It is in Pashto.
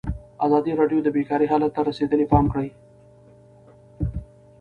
ازادي راډیو د بیکاري حالت ته رسېدلي پام کړی.